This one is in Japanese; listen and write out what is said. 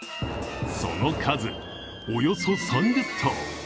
その数、およそ３０頭。